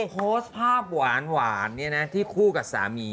โพสต์ภาพหวานที่คู่กับสามี